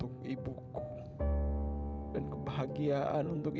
enggak aku mau gitu